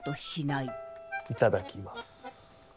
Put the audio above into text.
いただきます。